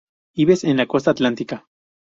Ives en la costa atlántica.